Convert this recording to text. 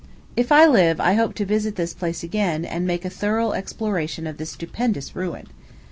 If I live, I hope to visit this place again, and make a thorough exploration of this stupendous ruin.